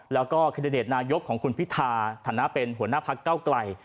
แล้วก็แคนดิเดตนายกของคุณพิธาฐานะเป็นหัวหน้าพักเก้าไกล